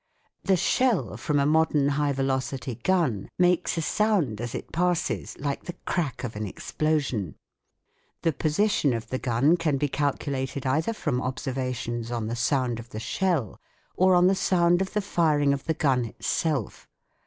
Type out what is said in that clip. The shell from a modern high velocity gun makes a sound as it passes like the crack of an explosion. The position of the gun can be calculated either from observations on the sound of the shell or on the sound of the firing of the gun itself.